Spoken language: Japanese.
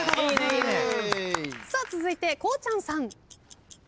続いてこうちゃんさん。